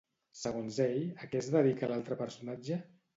Segons ell, a què es dedica l'altre personatge?